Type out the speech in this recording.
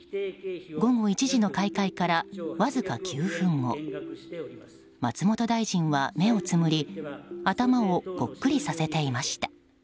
午後１時の開会からわずか９分後松本大臣は目をつむり頭をこっくりさせていました。